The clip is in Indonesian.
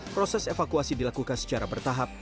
proses evakuasi dilakukan secara bertahap